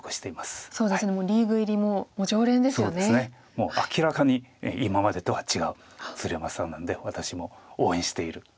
もう明らかに今までとは違う鶴山さんなんで私も応援している。